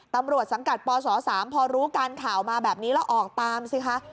ตำรวจสังกัดปศ๓พอรู้การข่าวมาแบบนี้แล้วออกตามสิคะ